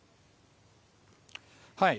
はい。